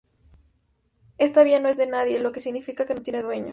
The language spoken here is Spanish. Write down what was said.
Esta vía no es de nadie, lo que significa que no tiene dueño.